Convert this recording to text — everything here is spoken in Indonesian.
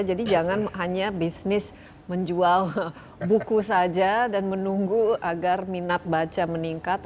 jadi jangan hanya bisnis menjual buku saja dan menunggu agar minat baca meningkat